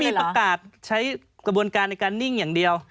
มีประกาศใช้กระบวนการในการนิ่งอย่างเดียว